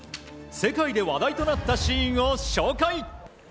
世界で話題となったシーンを紹介。